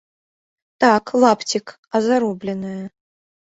Так, лапцік, а заробленае!